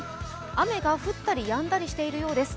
雨が降ったりやんだりしているようです。